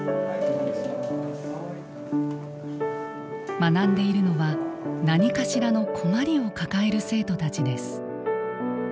学んでいるのは何かしらの困りを抱える生徒たちです。